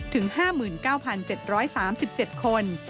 ถึง๕๙๗๓๗คน